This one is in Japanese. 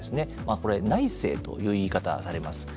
これ、内製という言い方されます。